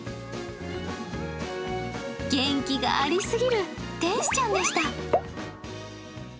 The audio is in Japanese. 元気がありすぎる天使ちゃんでした。